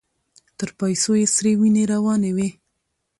تر پايڅو يې سرې وينې روانې وې.